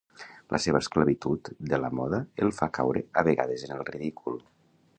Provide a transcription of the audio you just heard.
La seva esclavitud de la moda el fa caure a vegades en el ridícul.